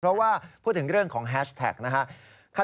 เพราะว่าพูดถึงเรื่องของแฮชแท็กนะครับ